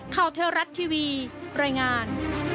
ข้าวเที่ยวรัฐทีวีรายงาน